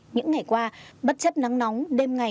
những ngày qua bất chấp nắng nóng đêm ngày